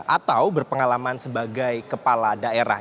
atau berpengalaman sebagai kepala daerah